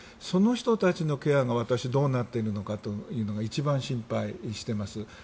その人たちのケアが私、どうなっているのかが一番心配しています。